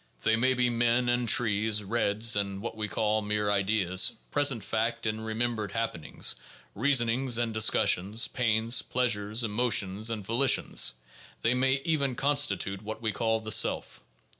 They may be men and trees, reds and what we call mere ideas, present fact and remem bered happenings, reasonings and discussions, pains, pleasures, emo tions and volitions ; they may even constitute what we call the self.